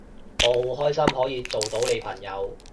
我好開心可以做到你朋友